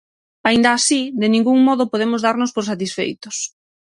Aínda así, de ningún modo podemos darnos por satisfeitos.